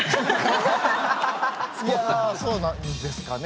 いやあそうなんですかね。